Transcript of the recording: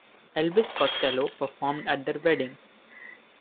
Elvis Costello performed at their wedding.